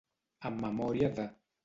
En memòria de.